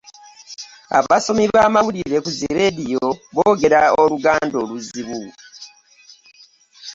Abasomi b'amawulire ku zi leediyo boogera oluganda oluzibu.